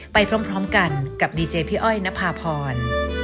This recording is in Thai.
ไปพร้อมกันกับดีเจพี่อ้อยนภาพร